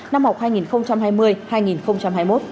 năm học hai nghìn hai mươi hai nghìn hai mươi một